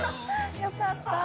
よかった。